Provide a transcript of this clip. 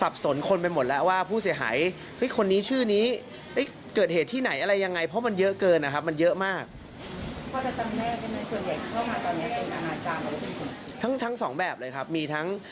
เป็นหมดแล้วว่าผู้เสียหายคนที่ชื่อนี้เกิดเหตุที่ไหนเรื่องอะไรยังไง